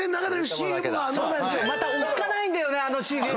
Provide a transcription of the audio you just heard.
またおっかないんだよね！